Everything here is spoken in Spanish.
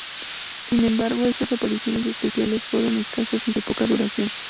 Sin embargo, estas apariciones especiales, fueron escasas y de poca duración.